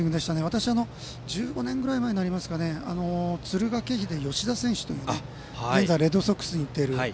私、１５年ぐらい前になりますか敦賀気比の吉田選手という現在、レッドソックスにいる。